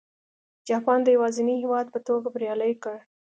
جاپان د یوازیني هېواد په توګه بریالی کړ.